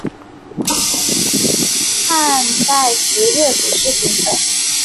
汉代时乐府诗形成。